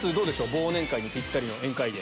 忘年会にぴったりの宴会芸。